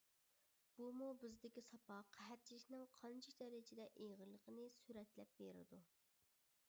بۇمۇ بىزدىكى ساپا قەھەتچىلىكىنىڭ قانچىلىك دەرىجىدە ئېغىرلىقىنى سۈرەتلەپ بېرىدۇ.